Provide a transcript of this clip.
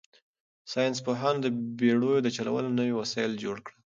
ساینس پوهانو د بېړیو د چلولو نوي وسایل جوړ کړل.